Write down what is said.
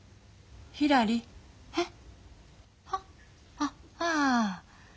あっああ。